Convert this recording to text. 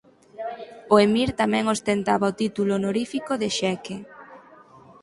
O Emir tamén ostentaba o título honorífico de xeque.